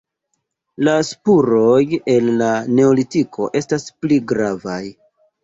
La spuroj el la neolitiko estas pli gravaj.